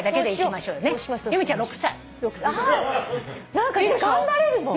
何か頑張れるもん！